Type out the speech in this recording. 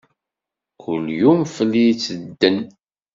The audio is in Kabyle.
Kul yum fell-i yettedden.